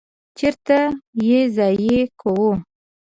چیرته ییضایع کوی؟